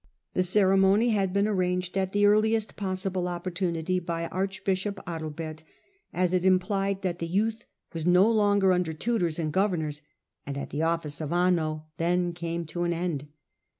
The ceremony had been arranged at the earliest possible opportunity by archbishop Adalbert, as it implied that the youth was no longer under tutors and governors, and that the office of Anno then came to an end.